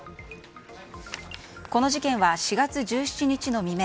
この事件は、４月１７日の未明